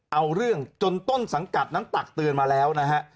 เอาเรื่องจนต้นสังกัดนั้นตักเตือนมาแล้วนะฮะ